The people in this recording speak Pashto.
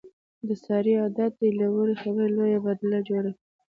د سارې عادت دی، له وړې خبرې لویه بدله جوړه کړي.